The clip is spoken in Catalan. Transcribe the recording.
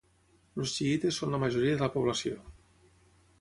Els xiïtes són la majoria de la població.